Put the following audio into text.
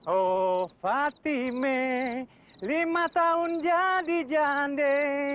oh fatime lima tahun jadi jadi